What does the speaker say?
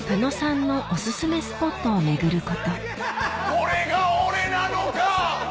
これが俺なのか！